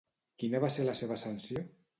Quina va ser la seva sanció?